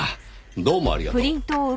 どうもありがとう。